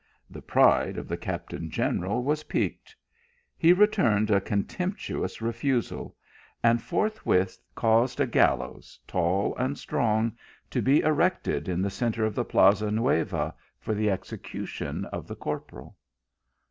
The pride of the cap tain general was piqued, he returned a contemptuous refusal, and forthwith caused a gallows, tall and ^trong, to be erected in the centre of the Plaza ffeuva, for the execution of the corporal.